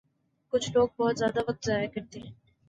کچھ لوگ بہت زیادہ وقت ضائع کرتے ہیں